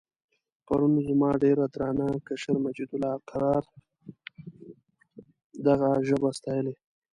پرون زما ډېر درانه کشر مجیدالله جان قرار دغه ژبه ستایلې.